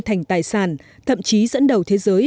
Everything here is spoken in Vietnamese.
thành tài sản thậm chí dẫn đầu thế giới